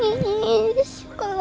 kalau mama nangis aku sedih